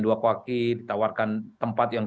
dua kaki ditawarkan tempat yang